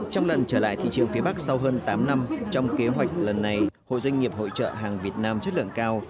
trong lần trở lại thị trường phía bắc sau hơn tám năm trong kế hoạch lần này hội doanh nghiệp hội trợ hàng việt nam chất lượng cao